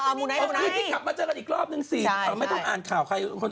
พี่ที่กลับมาเจอกันอีกรอบนึงสิไม่ต้องอ่านข่าวใครคนอื่นเหรอ